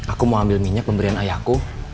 aku mau ambil minyak pemberian ayahku